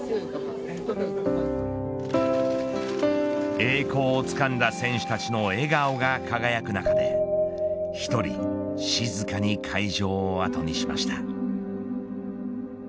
栄光をつかんだ選手たちの笑顔が輝く中で一人、静かに会場を後にしました。